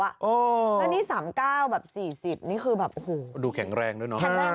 อันนี้๓๙แบบ๔๐นี่คือแบบโอ้โหดูแข็งแรงด้วยนะ